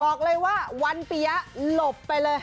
บอกเลยว่าวันปียะหลบไปเลย